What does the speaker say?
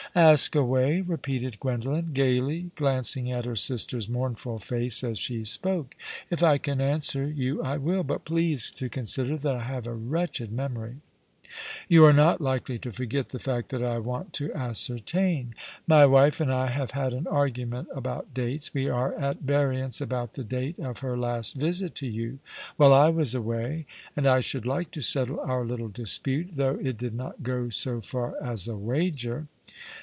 "Ask away," repeated Gwendolen, gaily, glancing at her sister's mournful face as she spoke. " If I can answer you I will — but please to consider that I have a wretched memory." " You are not likely to forget the fact I want to ascertain. My wife and I have had an argument about dates — we are at variance about the date of her last visit to you — while I was away — and I should like to settle our little dispute, though it did not go so far as a wager.